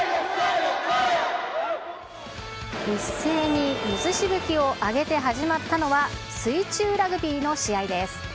一斉に水しぶきを上げて始まったのは、水中ラグビーの試合です。